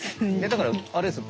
だからあれですよ